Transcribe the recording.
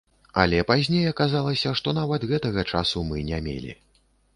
Але пазней аказалася, што нават гэтага часу мы не мелі.